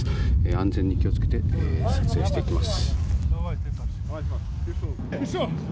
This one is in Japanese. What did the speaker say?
安全に気を付けて撮影していきます。